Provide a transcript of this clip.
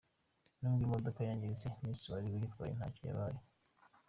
Nubwo imodoka yangiritse, Miss wari uyitwaye ntacyo yabaye.